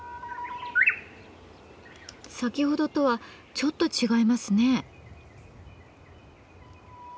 先ほどとはちょっと違いますね。